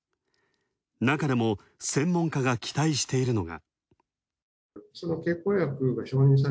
なかでも専門家が期待しているのが。